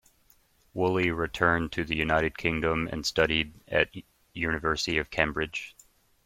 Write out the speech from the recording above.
Woolley returned to the United Kingdom and studied at University of Cambridge.